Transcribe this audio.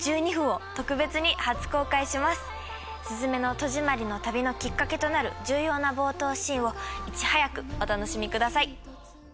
すずめの戸締まりの旅のきっかけとなる重要な冒頭シーンをいち早くお楽しみください。